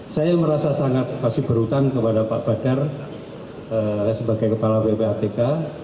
saya merasa sangat pasti berhutang kepada pak badar sebagai kepala ppatk